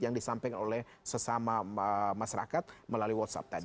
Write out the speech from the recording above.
yang disampaikan oleh sesama masyarakat melalui whatsapp tadi